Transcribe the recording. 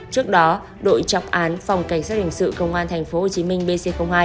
trước đó đội trọng án phòng cảnh sát hình sự công an tp hcm bc hai